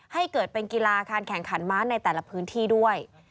ให้เกิดเป็นกีฬาการแข่งขันม้าในแต่ละพื้นที่ด้วย